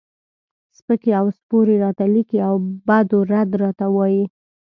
سپکې او سپورې راته لیکي او بد و رد راته وایي.